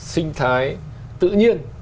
sinh thái tự nhiên